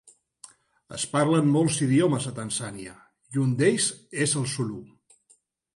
Es parlen molts idiomes a Tanzània, i un d'ells és el zulu.